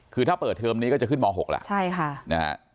คือถ้าเปิดเทอมนี้ก็จะขึ้นม๖แล้วใช่ค่ะนะฮะ